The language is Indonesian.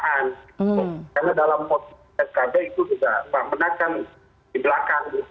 karena dalam konteks askb itu juga mbak menat kan di belakang